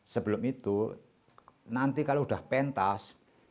sebelum itu nanti kalau sudah pentas